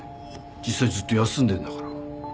実際ずっと休んでんだから。